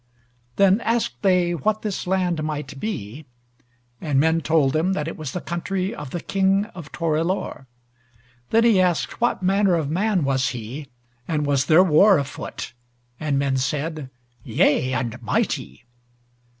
Then asked they what this land might be, and men told them that it was the country of the King of Torelore. Then he asked what manner of man was he, and was there war afoot, and men said, "Yea, and mighty!"